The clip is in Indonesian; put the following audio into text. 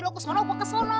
lo kesana gue kesana